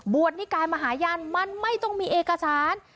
นิกายมหาญาณมันไม่ต้องมีเอกสาร